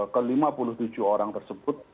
ke lima puluh tujuh orang tersebut